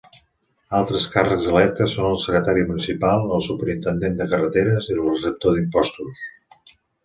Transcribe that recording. Altres càrrecs electes són el secretari municipal, el superintendent de carreteres i el receptor d'impostos.